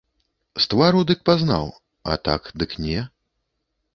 З твару дык пазнаў, а так дык не.